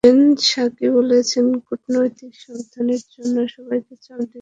তবে Jen Psaki বলেছেন, কূটনৈতিক সমাধানের জন্য সবাইকে চাপ দিতে হবে।